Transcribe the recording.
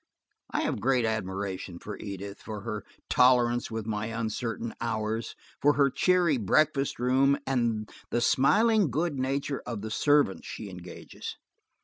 I have great admiration for Edith, for her tolerance with my uncertain hours, for her cheery breakfast room, and the smiling good nature of the servants she engages.